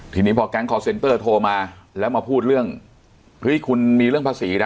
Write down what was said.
ทีนี้พอแก๊งคอร์เซ็นเตอร์โทรมาแล้วมาพูดเรื่องเฮ้ยคุณมีเรื่องภาษีนะ